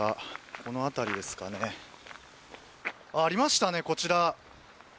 この辺りですかね。ありましたね、こちら。